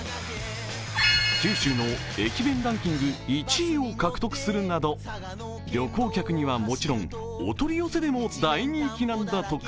九州の駅弁ランキング１位を獲得するなど旅行客にはもちろん、お取り寄せでも大人気なんだとか。